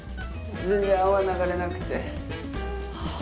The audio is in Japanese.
全然泡流れなくて。